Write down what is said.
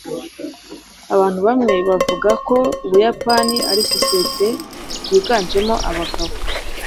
Abantu bamwe bavuga ko Ubuyapani ari societe yiganjemo abagabo.